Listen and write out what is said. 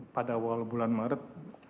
pada awal bulan maret